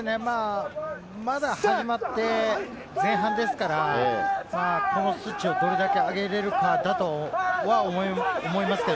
まだ始まって前半ですから、この数値をどれだけ上げられるかだと僕は思います。